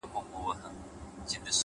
چي دي شراب ـ له خپل نعمته ناروا بلله ـ